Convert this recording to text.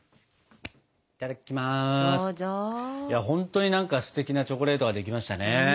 本当に何かステキなチョコレートができましたね。